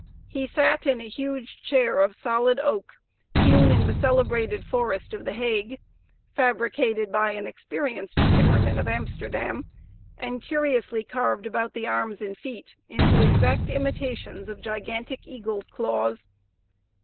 He sat in a huge chair of solid oak, hewn in the celebrated forest of the Hague, fabricated by an experienced timmerman of Amsterdam, and curiously carved about the arms and feet into exact imitations of gigantic eagle's claws.